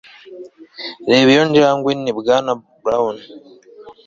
Reba iyo njangwe Ni Bwana Brown